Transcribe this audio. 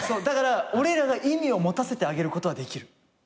だから俺らが意味を持たせてあげることはできる。